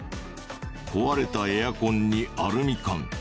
壊れたエアコンにアルミ缶。